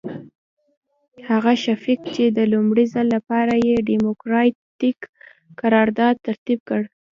هغه شفیق چې د لومړي ځل لپاره یې ډیموکراتیک قرارداد ترتیب کړ.